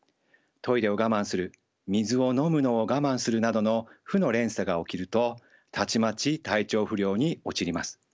トイレを我慢する水を飲むのを我慢するなどの負の連鎖が起きるとたちまち体調不良に陥ります。